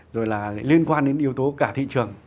rồi là liên quan đến yếu tố cả thị trường